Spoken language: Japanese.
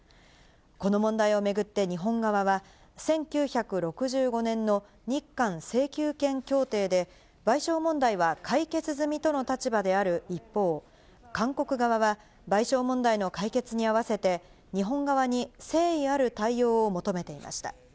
この問題を巡って日本側は、１９６５年の日韓請求権協定で、賠償問題は解決済みとの立場である一方、韓国側は、賠償問題の解決に合わせて、日本側に誠意ある対応を求めていました。